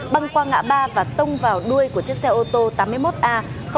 băng qua ngã ba và tông vào đuôi của chiếc xe ô tô tám mươi một a tám nghìn ba trăm bảy mươi